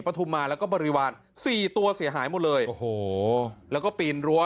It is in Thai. ทุมมาแล้วก็บริวารสี่ตัวเสียหายหมดเลยโอ้โหแล้วก็ปีนรั้ว